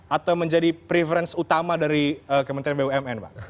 atau menjadi preference utama dari menteri bumn